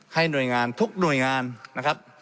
หน่วยงานทุกหน่วยงานนะครับ